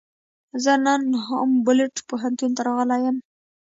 زه نن هامبولټ پوهنتون ته راغلی یم.